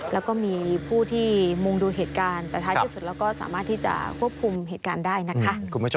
แล้วก็มีผู้ที่มุงดูเหตุการณ์แต่ท้ายที่สุดเราก็สามารถที่จะควบคุมเหตุการณ์ได้นะคะ